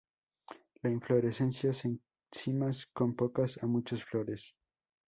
La inflorescencias en cimas con pocas a muchas flores.